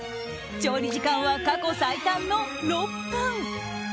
調理時間は過去最短の６分。